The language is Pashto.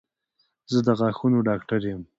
زه د غاښونو ډاکټر یم